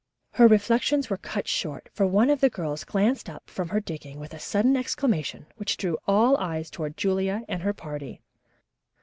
Her reflections were cut short, for one of the girls glanced up from her digging with a sudden exclamation which drew all eyes toward Julia and her party.